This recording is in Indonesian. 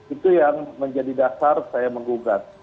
itu yang menjadi dasar saya menggugat